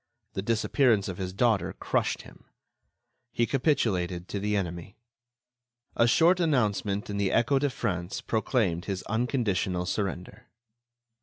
The disappearance of his daughter crushed him; he capitulated to the enemy. A short announcement in the Echo de France proclaimed his unconditional surrender.